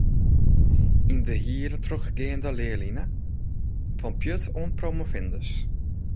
Yn de hiele trochgeande learline, ‘fan pjut oant promovendus’.